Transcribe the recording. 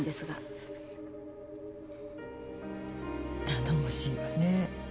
頼もしいわね。